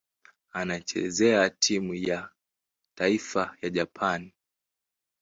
Anachezea timu ya taifa ya Japani.